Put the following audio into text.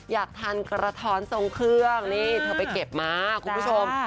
อยากทานกระท้อนทรงเครื่องนี่เธอไปเก็บมาคุณผู้ชม